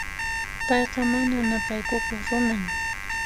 Payqa mana ñapaykukuq runan.